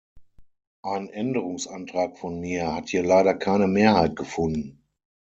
Ein Änderungsantrag von mir hat hier leider keine Mehrheit gefunden.